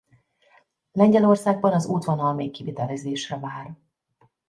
Lengyelországban az útvonal még kivitelezésre vár.